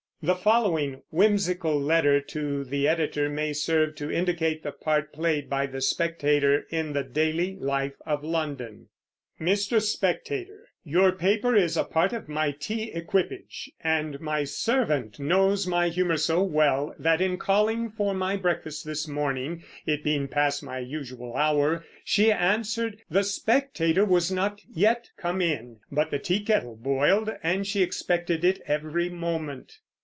The following whimsical letter to the editor may serve to indicate the part played by the Spectator in the daily life of London: Mr. Spectator, Your paper is a part of my tea equipage; and my servant knows my humor so well, that in calling for my breakfast this morning (it being past my usual hour) she answered, the Spectator was not yet come in, but the teakettle boiled, and she expected it every moment.